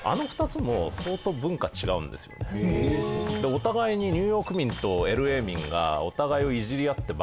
お互いにニューヨーク民とＬＡ民が。